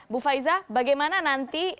bu faiza bagaimana nanti